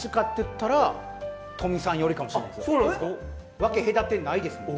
分け隔てないです結構。